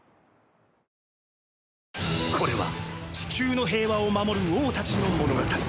これはチキューの平和を守る王たちの物語